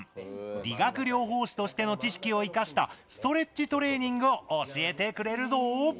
理学療法士としての知識を生かしたストレッチトレーニングを教えてくれるぞ！